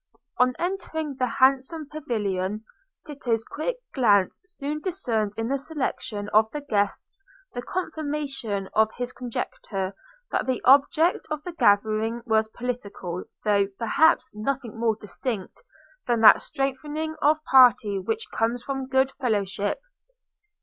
On entering the handsome pavilion, Tito's quick glance soon discerned in the selection of the guests the confirmation of his conjecture that the object of the gathering was political, though, perhaps, nothing more distinct than that strengthening of party which comes from good fellowship.